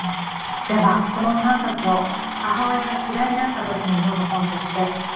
ではこの３冊を「母親が嫌いになった時に読む本」として理想的本箱に収蔵します。